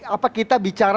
apa kita bicara